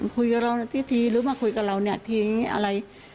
คุยกับเราทีหรือมาคุยกับเราทีอะไร